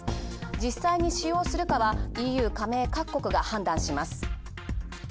実際に使用するかはＥＵ加盟各国が判断します。